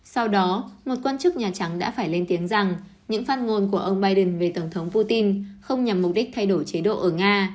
sau đó một quan chức nhà trắng đã phải lên tiếng rằng những phát ngôn của ông biden về tổng thống putin không nhằm mục đích thay đổi chế độ ở nga